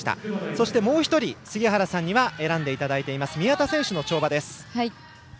そしてもう１人、杉原さんには選んでいただいている宮田選手の跳馬です。